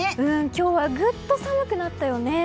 今日はぐっと寒くなったよね。